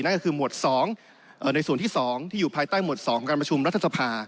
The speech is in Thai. นั่นก็คือหมวด๒ในส่วนที่๒ที่อยู่ภายใต้หมวด๒การประชุมรัฐสภา